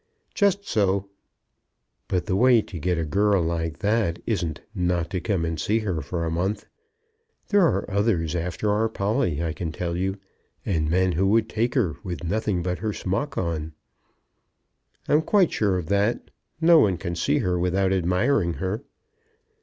"Just so." "But the way to get a girl like that isn't not to come and see her for a month. There are others after our Polly, I can tell you; and men who would take her with nothing but her smock on." "I'm quite sure of that. No one can see her without admiring her."